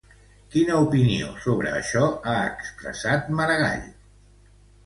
Quina opinió sobre això ha expressat Maragall?